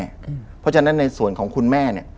เพราะฉะนั้นในส่วนของคุณแม่เนี่ย